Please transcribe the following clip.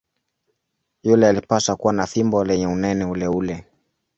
Yule alipaswa kuwa na fimbo lenye unene uleule.